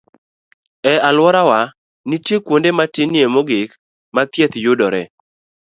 E alworawa, nitie kuonde matinie mogik ma thieth yudoree